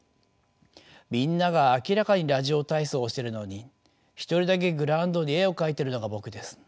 みんなが明らかにラジオ体操をしてるのに一人だけグラウンドに絵を描いてるのが僕です。